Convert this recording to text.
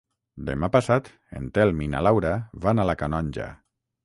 Demà passat en Telm i na Laura van a la Canonja.